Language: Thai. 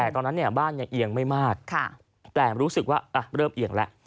ตอนนั้นเนี่ยบ้านเนี่ยเอียงไม่มากแต่รู้สึกว่าอ่ะเริ่มเอียงแล้ว